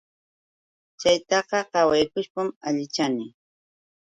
Chaytaqa qawaykushpam allichani.